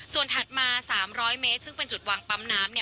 ส่วนถัดมา๓๐๐เมตรซึ่งเป็นจุดวางปั๊มน้ำ